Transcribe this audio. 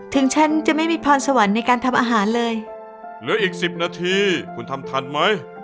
ถึงฉันจะไม่มีพรสวรรค์ในการทำอาหารเลยเหลืออีกสิบนาทีคุณทำทันไหม